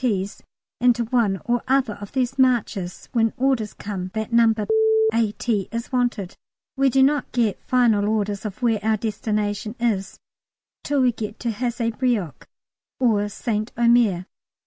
T.'s in to one or other of these marches when orders come that No. A.T. is wanted. We do not get final orders of where our destination is till we get to Hazebrouck or St Omer.